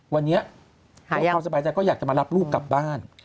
วันนี้ความสบายใจก็อยากจะมารับลูกกลับบ้าน